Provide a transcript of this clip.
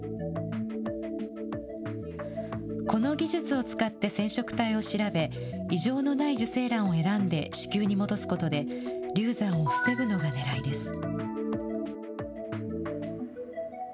この技術を使って染色体を調べ、異常のない受精卵を選んで子宮に戻すことで、流産を防ぐのがねらいです。